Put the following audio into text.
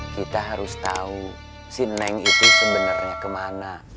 kita harus tahu si neng itu sebenarnya kemana